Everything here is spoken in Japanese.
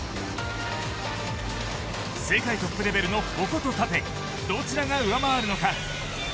世界トップレベルの矛と盾どちらが上回るのか。